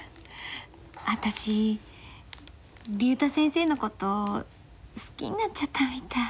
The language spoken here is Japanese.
私竜太先生のこと好きになっちゃったみたい。